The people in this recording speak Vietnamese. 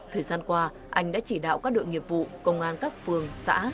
thời gian qua anh đã chỉ đạo các đội nghiệp vụ công an các phường xã